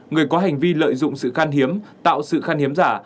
một mươi bốn người có hành vi lợi dụng sự khan hiếm tạo sự khan hiếm giả